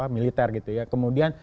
militer gitu ya kemudian